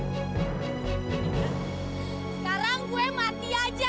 sekarang gue mati aja